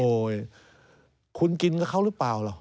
โอ้ยคุณกินกับเขาหรือเปล่าหรือ